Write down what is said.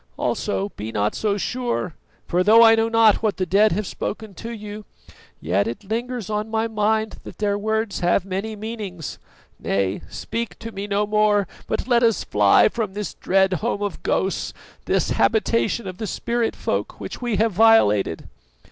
Also, be not so sure, for though I know not what the dead have spoken to you, yet it lingers on my mind that their words have many meanings. Nay, speak to me no more, but let us fly from this dread home of ghosts, this habitation of the spirit folk which we have violated."